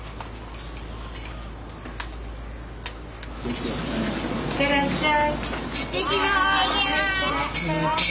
いってらっしゃい。